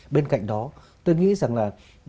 bên cạnh đó tôi nghĩ rằng là